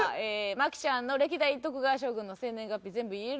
麻貴ちゃんの「歴代徳川将軍の生年月日全部言える能楽師」。